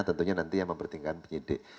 tentunya nanti yang mempertimbangkan penyidik